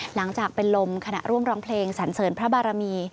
หลังจากเป็นลมขณะร่วมร้องเพลงสันเสริญพระบารมี